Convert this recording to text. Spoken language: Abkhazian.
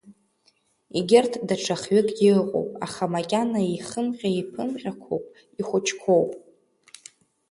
Егьырҭ даҽа хҩыкгьы ыҟоуп, аха макьана еихымҟьа-еиԥымҟьақәоуп, ихәыҷқәоуп.